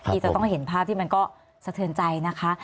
ที่จะต้องเห็นภาพที่มันก็สะเทือนใจนะคะ